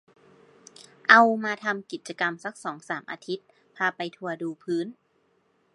เอามาทำกิจกรรมสักสองสามอาทิตย์ พาไปทัวร์ดูพื้น